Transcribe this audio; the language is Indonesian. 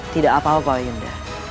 tidak apa apa yunda